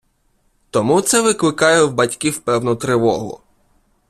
Тому це викликає в батьків певну тривогу.